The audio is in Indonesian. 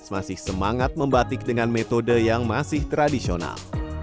masih semangat membatik dengan metode yang masih tradisional